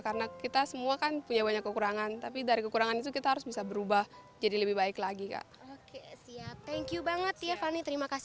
karena kita semua kan punya banyak kekurangan tapi dari kekurangan itu kita harus bisa berubah jadi lebih baik lagi kak